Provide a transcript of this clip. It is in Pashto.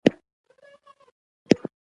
وژنه د نفرت زېږنده ده